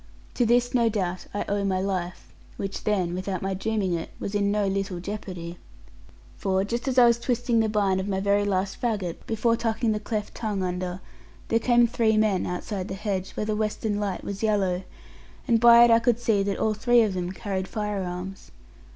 To this, no doubt, I owe my life, which then (without my dreaming it) was in no little jeopardy. For, just as I was twisting the bine of my very last faggot, before tucking the cleft tongue under, there came three men outside the hedge, where the western light was yellow; and by it I could see that all three of them carried firearms.